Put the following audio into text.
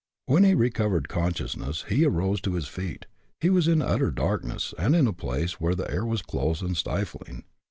When he recovered consciousness, he arose to his feet. He was in utter darkness, and in a place where the air was close and stifling.